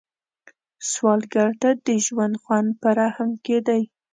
سوالګر ته د ژوند خوند په رحم کې دی